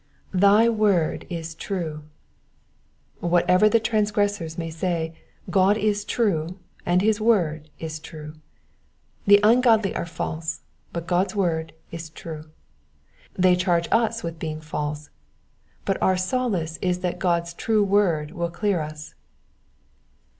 rAy word is true.^^ Whatever the transgressors may say, God is true, and his word is true. The ungodly are false, but God's word is true. They charge us with being false, but our solace is that God's true word will clear us.